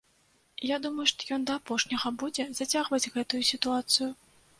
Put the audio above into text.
Я думаю, што ён да апошняга будзе зацягваць гэтую сітуацыю.